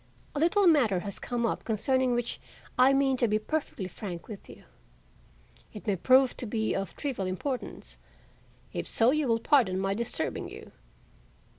"A little matter has come up concerning which I mean to be perfectly frank with you. It may prove to be of trivial importance; if so, you will pardon my disturbing you.